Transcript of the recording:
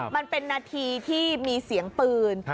มันเป็นนาทีที่มีเสียงปืน